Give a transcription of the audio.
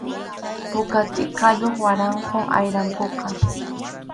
Puka tʼikayuq waraqum ayrampuqa.